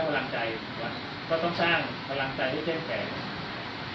เพราะต้องสร้างพลังใจได้เจ็บแข็ง